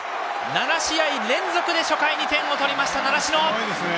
７試合連続で初回に点を取りました習志野。